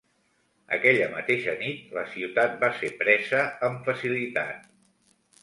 Aquella mateixa nit, la ciutat va ser presa amb facilitat.